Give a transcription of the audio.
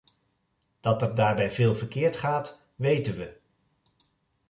Dat er daarbij veel verkeerd gaat, weten we.